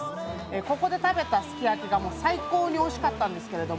ここで食べたすき焼が最高においしかったんですけど